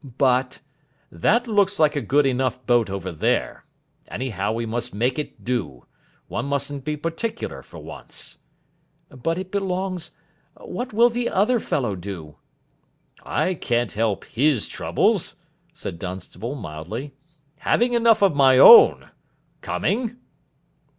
"But " "That looks a good enough boat over there. Anyhow, we must make it do. One mustn't be particular for once." "But it belongs what will the other fellow do?" "I can't help his troubles," said Dunstable mildly, "having enough of my own. Coming?"